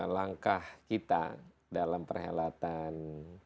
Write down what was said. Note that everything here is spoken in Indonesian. langkah kita dalam perhelatan